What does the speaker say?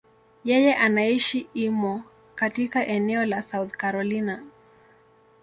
Yeye anaishi Irmo, katika eneo la South Carolina.